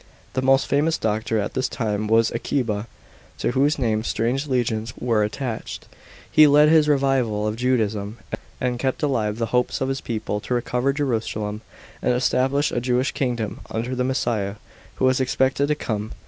The most famous doctor at this time was Akiba, to whose name strange legends were attached. He led this revival of Judaism and kept alive the hopes of his people to recover Jerusalem and establish a Jewish kingdom under the Messiah, who was expected to come.